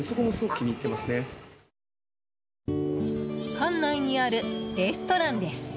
館内にあるレストランです。